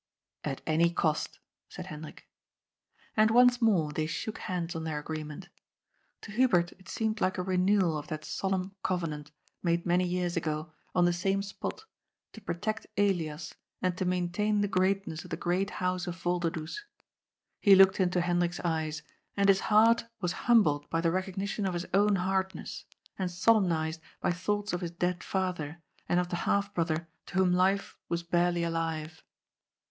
" At any cost," said Hendrik. And once more they shook hands on their agreement. To Hubert it seemed like a renewal of that solemn covenant, made many years ago, on the same spot, to protect Elias and to maintain the greatness of the great house of Voider does. He looked into Hendrik's eyes, and his heart was humbled by the recognition of his own hardness and solem nized by thoughts of his dead father and of the half brother to whom life was barely alive.